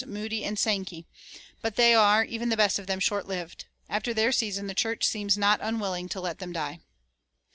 Moody and Sankey; but they are, even the best of them, short lived. After their season the church seems not unwilling to let them die.